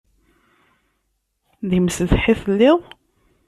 D imsetḥi i telliḍ?